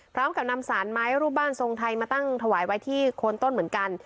พร้อมกับนำสารไม้รูปบ้านทรงไทยมาตั้งถวายไว้ที่โคนต้นเหมือนกัน